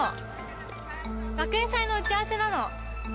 学園祭の打ち合わせなの。